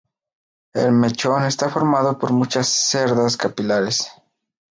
El mechón está formado por muchas cerdas capilares.